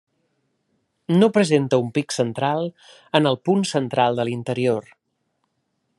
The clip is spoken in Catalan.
No presenta un pic central en el punt central de l'interior.